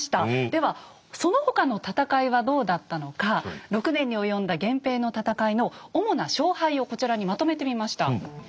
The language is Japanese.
ではその他の戦いはどうだったのか６年に及んだ源平の戦いの主な勝敗をこちらにまとめてみました。